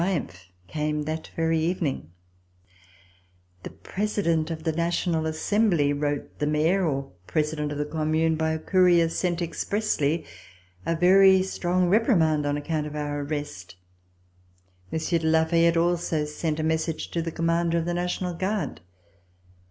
Our triumph came that very evening. The Presi dent of the National Assembly wrote the Mayor, or President of the Commune, by a courier sent expressly, a very strong reprimand on account of our arrest. Monsieur de La Fayette also sent a message to the commander of the National Guard.